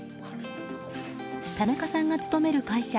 田中さんが勤める会社